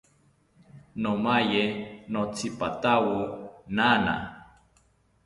Nomaye notzipatawo nana